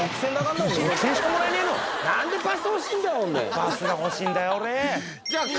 バスが欲しいんだよ俺。